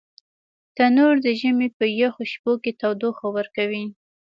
تنور د ژمي په یخو شپو کې تودوخه ورکوي